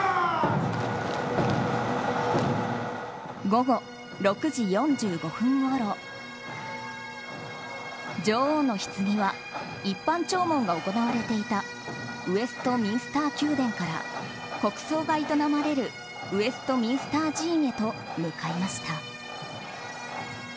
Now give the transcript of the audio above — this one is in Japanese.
午後６時４５分ごろ女王のひつぎは一般弔問が行われていたウェストミンスター宮殿から国葬が営まれるウェストミンスター寺院へと向かいました。